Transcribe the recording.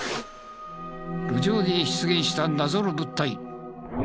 路上に出現した謎の物体。